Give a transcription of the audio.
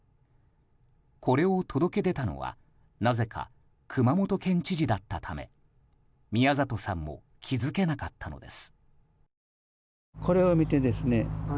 これを届け出たのはなぜか熊本県知事だったため宮里さんも気づけなかったのです。